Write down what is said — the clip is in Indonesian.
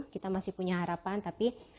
kita masih punya harapan tapi